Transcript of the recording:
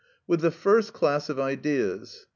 With the first class of ideas, _i.